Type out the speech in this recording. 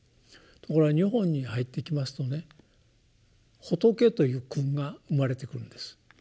ところが日本に入ってきますとね「仏」という訓が生まれてくるんです。